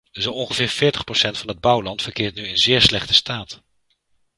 Zo ongeveer veertig procent van het bouwland verkeert nu in zeer slechte staat.